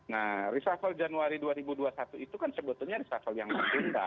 nah reshuffle januari dua ribu dua puluh satu itu kan sebetulnya reshuffle yang berbeda